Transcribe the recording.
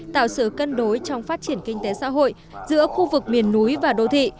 tạo sự cân đối trong phát triển kinh tế xã hội giữa khu vực miền núi và đô thị